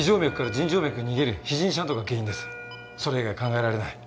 それ以外考えられない。